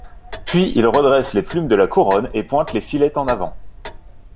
Puis il redresse les plumes de la couronne et pointe les filets en avant.